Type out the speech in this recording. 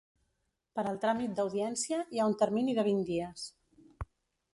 Per al tràmit d'audiència hi ha un termini de vint dies.